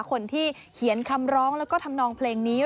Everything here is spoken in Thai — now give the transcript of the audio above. คนที่เขียนคำร้องแล้วก็ทำนองเพลงนี้